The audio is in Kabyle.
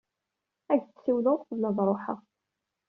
Ad ak-d-siwleɣ uqbel ad ruḥeɣ.